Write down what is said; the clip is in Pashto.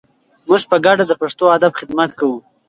موږ په ګډه د پښتو ادب خدمت کوو.